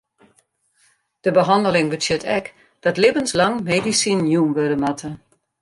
De behanneling betsjut ek dat libbenslang medisinen jûn wurde moatte.